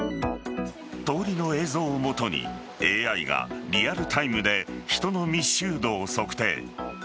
通りの映像を基にＡＩがリアルタイムで人の密集度を測定。